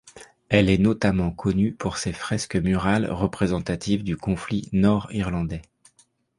Elle est notamment connue pour ses fresques murales représentatives du conflit nord-irlandais.